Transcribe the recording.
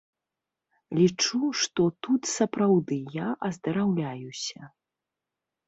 Лічу, што тут сапраўды я аздараўляюся.